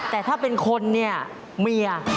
แต่ถ้าเป็นคนเนี่ยเมีย